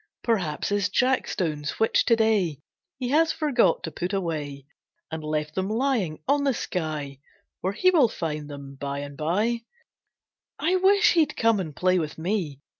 Perhaps his jackstones which to day He has forgot to put away, And left them lying on the sky Where he will find them bye and bye. I wish he'd come and play with me.